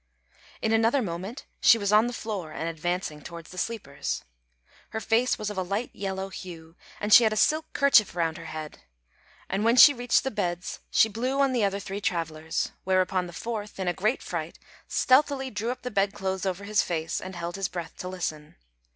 In another moment she was on the floor and advancing towards the sleepers. Her face was of a light yellow hue, and she had a silk kerchief round her head; and when she reached the beds she blew on the other three travellers, whereupon the fourth, in a great fright, stealthily drew up the bed clothes over his face, and held his breath to listen.